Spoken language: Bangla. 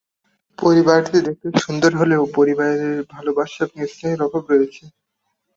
পরিবারটি দেখতে সুন্দর হলেও, পরিবারে ভালবাসা এবং স্নেহের অভাব রয়েছে।